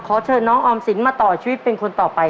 เชิญน้องออมสินมาต่อชีวิตเป็นคนต่อไป